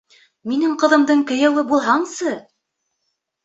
Минең ҡыҙымдың кейәүе булһаңсы?